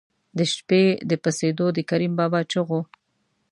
د شپې د پسېدو د کریم بابا چغو.